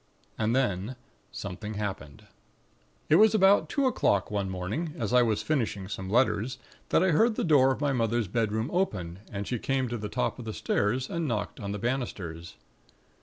"And then, something happened. "It was about two o'clock one morning, as I was finishing some letters, that I heard the door of my mother's bedroom open, and she came to the top of the stairs, and knocked on the banisters.